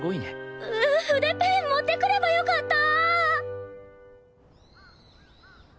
筆ペン持ってくればよかった！